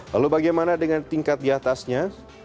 lalu bagaimana dengan tingkat diatasnya